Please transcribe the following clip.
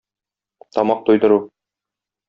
Тамак туйдыру.